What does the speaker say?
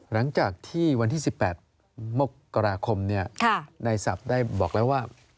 หลังจากที่วันที่๑๘มกราคมในศัพท์ได้บอกแล้วว่า